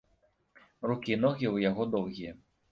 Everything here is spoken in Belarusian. Рукі і ногі ў яго доўгія.